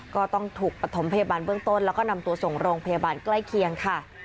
ก็ต้องถูกปฐมพยาบาลเบื้องต้นแล้วก็นำตัวส่งโรงพยาบาลใกล้เคียงค่ะ